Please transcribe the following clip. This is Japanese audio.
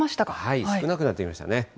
少なくなってきましたね。